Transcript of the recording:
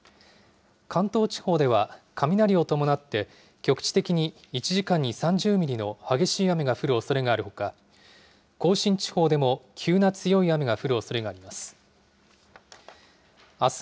関東地方では雷を伴って、局地的に１時間に３０ミリの激しい雨が降るおそれがあるほか、甲信地方でも急な強い雨が降るおそれがあります。